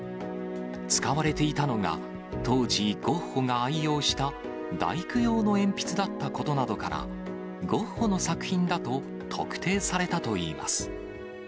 使われていたのが、当時、ゴッホが愛用した大工用の鉛筆だったことなどから、ゴッホの作品だと特定されたといいます。